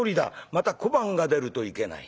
また小判が出るといけない」。